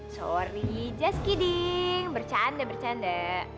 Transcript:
sorry just kiding bercanda bercanda